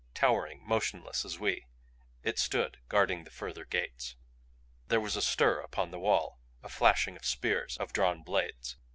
Towering, motionless as we, it stood, guarding the further gates. There was a stir upon the wall, a flashing of spears, of drawn blades.